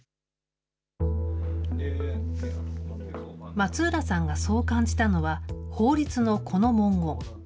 松浦さんがそう感じたのは、法律のこの文言。